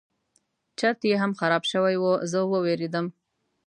چت یې هم خراب شوی و زه وویرېدم.